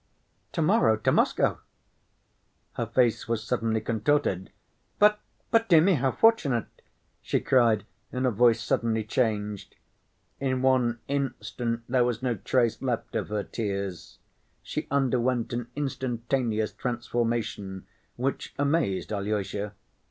"To‐morrow—to Moscow!" her face was suddenly contorted; "but—but, dear me, how fortunate!" she cried in a voice suddenly changed. In one instant there was no trace left of her tears. She underwent an instantaneous transformation, which amazed Alyosha.